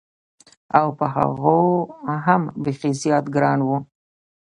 او په هغو هم بېخي زیات ګران و.